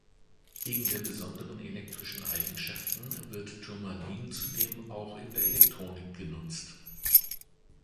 Wegen der besonderen elektrischen Eigenschaften wird Turmalin zudem auch in der Elektronik genutzt.